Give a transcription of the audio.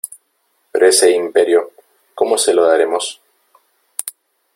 ¿ pero ese Imperio cómo se lo daremos ?